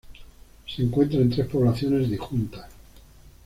Se encuentra en tres poblaciones disjuntas.